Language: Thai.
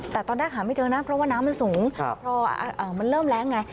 แต่ตอนแรกหาไม่เจอน้ำเพราะว่าน้ำมันสูงครับพออ่าอ่ามันเริ่มแรงไง